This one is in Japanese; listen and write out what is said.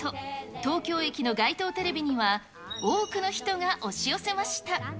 東京駅の街頭テレビには、多くの人が押し寄せました。